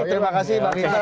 terima kasih bang gita